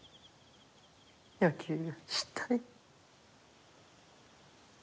野球がしたい。